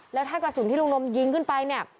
แล้วถ้ากระสุนที่ลุงนมยิงขึ้นไปเนี่ย